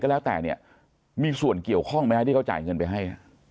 แล้วแต่เนี่ยมีส่วนเกี่ยวข้องไหมฮะที่เขาจ่ายเงินไปให้